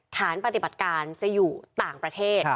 ฐานปฏิบัติการจะอยู่ต่างประเทศ